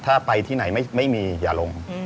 ถ้าไปที่ไหนไม่มีอย่าลง